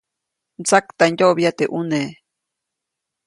Mtsaktandyoʼbya teʼ ʼune.